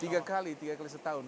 tiga kali tiga kali setahun